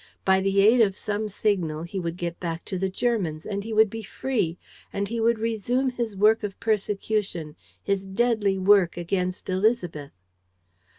By the aid of some signal, he would get back to the Germans! And he would be free! And he would resume his work of persecution, his deadly work, against Élisabeth!